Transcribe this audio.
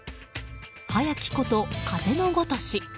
早きこと風の如し。